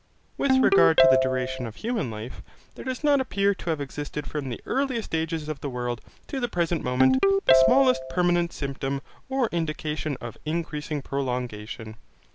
With regard to the duration of human life, there does not appear to have existed from the earliest ages of the world to the present moment the smallest permanent symptom or indication of increasing prolongation.